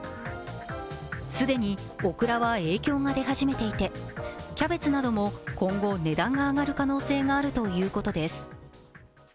既にオクラは影響が出始めていて、キャベツなども今後、値段が上がる可能性があるということです。